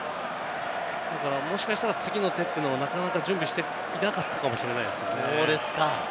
もしかしたら次の手というのをなかなか準備していなかったかもしれないですね。